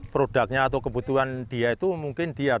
produknya atau kebutuhan dia itu mungkin dia harus memiliki